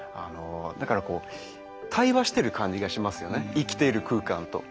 だからこう対話してる感じがしますよね生きている空間と。